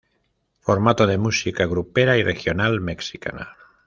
Formato de música grupera y regional mexicana.